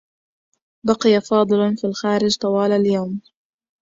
بقي فاضل في الخارج طوال اليوم.